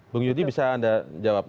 bung yudi bisa anda jawab